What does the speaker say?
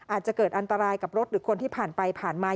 อาจจะเกิดอันตรายกับรถหรือคนที่ผ่านไปผ่านมา